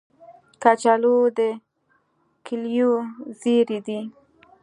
کچالو د کلیو زېری دی